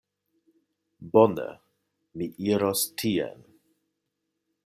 Bone, mi iros tien.